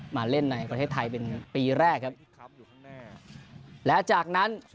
มาเล่นหน่อยประเทศไทยเป็นปีแรกครับแล้วจากนั้น